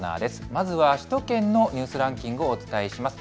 まずは首都圏のニュースランキングをお伝えします。